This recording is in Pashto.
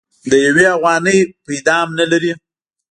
د يوې اوغانۍ پيدام نه لري.